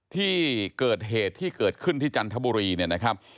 ที่เกิดเหตุที่เกิดขึ้นที่จันทบุรีเนี่ยนะครับ